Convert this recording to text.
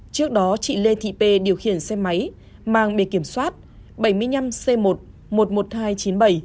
trước đó chị lê thị pê điều khiển xe máy mang bề kiểm soát bảy mươi năm c một một mươi một nghìn hai trăm chín mươi bảy